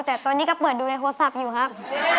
แต่ตอนนี้ก็เปิดดูในโทรศัพท์อยู่ครับ